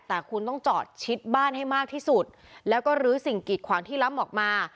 แต่คุณต้องจอดชิดบ้านให้มากที่สุดแล้วก็ลื้อสิ่งกีดขวางที่ล้ำออกมา